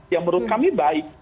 yang menurut kami baik